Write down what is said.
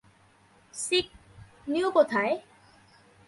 Sick, নিও কোথায়?